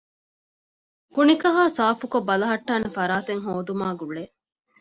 ކުނިކަހައި ސާފުކޮށް ބަލަހައްޓާނެ ފަރާތެއް ހޯދުމާ ގުޅޭ